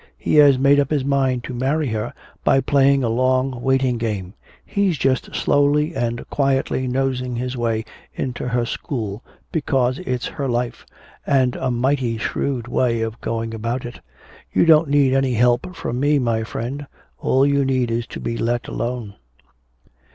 He has made up his mind to marry her by playing a long waiting game. He's just slowly and quietly nosing his way into her school, because it's her life. And a mighty shrewd way of going about it. You don't need any help from me, my friend; all you need is to be let alone."